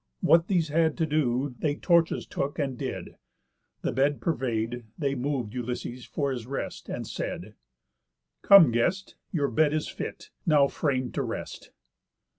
What these had to do, They torches took and did. The bed purvey'd, They mov'd Ulysses for his rest, and said: "Come guest, your bed is fit, now frame to rest."